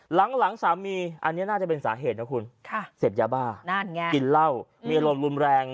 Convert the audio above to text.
หลังสามีอันนี้น่าจะเป็นสาเหตุนะคุณค่ะเสพยาบ้านั่นไงกินเหล้ามีอารมณ์รุนแรง